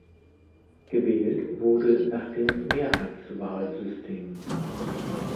Gewählt wurde nach dem Mehrheitswahlsystem.